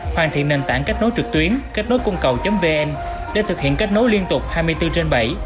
hoàn thiện nền tảng kết nối trực tuyến kếtnốicungcầu vn để thực hiện kết nối liên tục hai mươi bốn trên bảy